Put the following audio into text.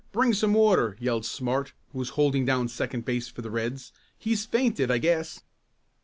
Bring some water!" yelled Smart, who was holding down second base for the Reds. "He's fainted I guess."